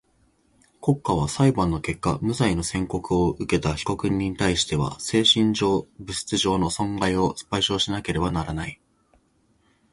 国家は裁判の結果無罪の宣告をうけた被告人にたいしては精神上、物質上の損害を賠償しなければならない。